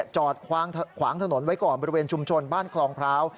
จอดขวางถนนไว้ก่อนบริเวณชุมชนบ้านคลองพร้าว